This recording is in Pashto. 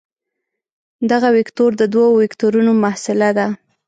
دغه وکتور د دوو وکتورونو محصله ده.